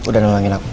udah nolongin aku